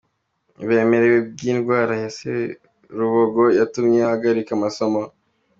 Uburemere bw’indwara ya Serubogo yatumye ahagarika amasomo.